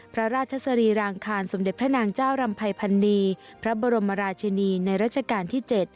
พระราชสรีรางคารสมเด็จพระนางเจ้ารำภัยพันนีพระบรมราชินีในรัชกาลที่๗